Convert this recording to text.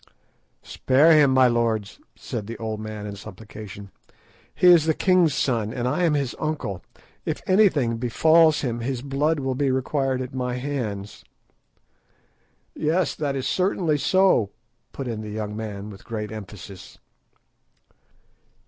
"Spare him, my lords," said the old man in supplication; "he is the king's son, and I am his uncle. If anything befalls him his blood will be required at my hands." "Yes, that is certainly so," put in the young man with great emphasis.